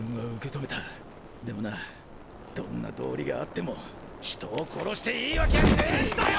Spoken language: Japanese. でもなどんな道理があっても人を殺していいわきゃねぇんだよ！！